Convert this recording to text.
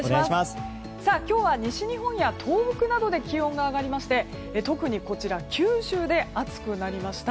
今日は西日本や東北などで気温が上がりまして特に九州で暑くなりました。